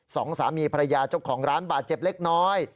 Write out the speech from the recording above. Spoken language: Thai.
สองสามีภรรยาเจ้าของร้านบาดเจ็บเล็กน้อย